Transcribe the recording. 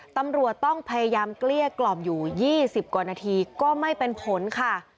ตำรวจต้องพยายามเกลี้ยกล่อมอยู่๒๐กว่านาทีก็ไม่เป็นผลค่ะ